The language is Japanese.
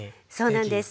そうなんです。